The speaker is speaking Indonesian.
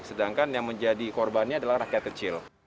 sedangkan yang menjadi korbannya adalah rakyat kecil